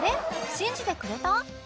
信じてくれた？